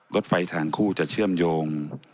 รถไฟทางคู่จะเชื่อมโยง